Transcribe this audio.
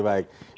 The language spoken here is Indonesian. baik pak henry